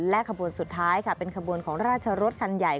ขบวนสุดท้ายค่ะเป็นขบวนของราชรสคันใหญ่